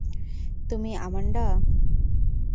তুমি, আমান্ডা?